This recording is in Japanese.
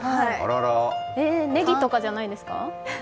ねぎとかじゃないですか？